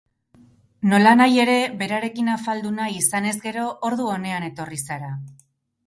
Nolanahi ere, berarekin afaldu nahi izanez gero, ordu onean etorri zara.